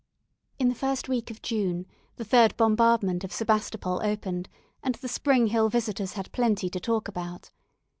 In the first week of June, the third bombardment of Sebastopol opened, and the Spring Hill visitors had plenty to talk about.